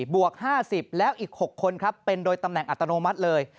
บวก๕๐แล้วอีก๖คนครับเป็นโดยตำแหน่งอัตโนมัติเลย